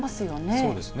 そうですね。